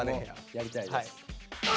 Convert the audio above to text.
やりたいです。